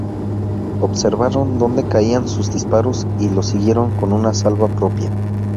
Observaron dónde caían sus disparos y los siguieron con una salva propia.